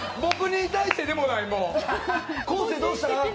僕に対してでもない、もう。